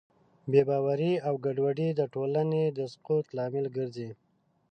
بېباورۍ او ګډوډۍ د ټولنې د سقوط لامل ګرځي.